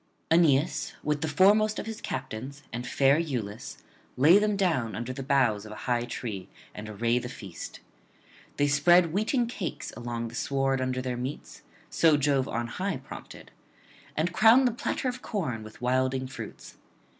Aeneas, with the foremost of his captains and fair Iülus, lay them down under the boughs of a high tree and array the feast. They spread wheaten cakes along the sward under their meats so Jove on high prompted and crown the platter of corn with wilding fruits.